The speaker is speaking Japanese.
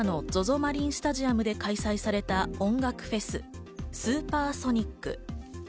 マリンスタジアムで開催された音楽フェス、スーパーソニック。